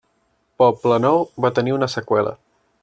Poblenou va tenir una seqüela.